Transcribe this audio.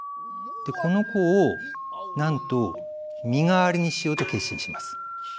この子をなんと身代わりにしようと決心します。